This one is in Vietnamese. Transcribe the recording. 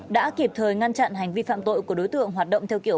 đã kịp thời ngăn chặn hành vi phạm tội của đối tượng hoạt động theo kiểu